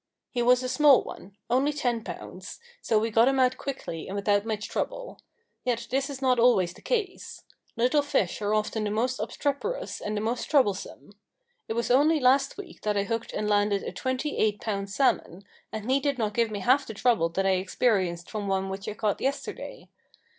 He was a small one; only ten pounds; so we got him out quickly and without much trouble. Yet this is not always the case. Little fish are often the most obstreperous and the most troublesome. It was only last week that I hooked and landed a twenty eight pound salmon, and he did not give me half the trouble that I experienced from one which I caught yesterday.